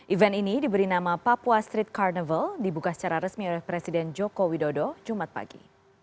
event ini diberi nama papua street carnival dibuka secara resmi oleh presiden joko widodo jumat pagi